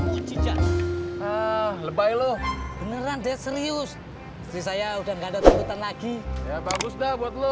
bujijat lebay lu beneran serius saya udah nggak ada tuntutan lagi ya bagus dah buat lo